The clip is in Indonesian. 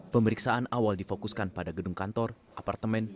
pemeriksaan awal difokuskan pada gedung kantor apartemen